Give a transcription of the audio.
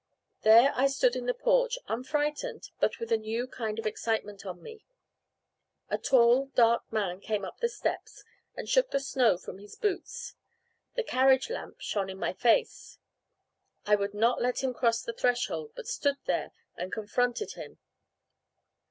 There I stood in the porch, unfrightened, but with a new kind of excitement on me. A tall dark man came up the steps, and shook the snow from his boots. The carriage lamp shone in my face. I would not let him cross the threshold, but stood there and confronted him.